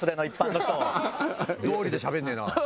どうりでしゃべんねえな。